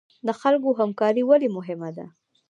د خلکو همکاري ولې مهمه ده؟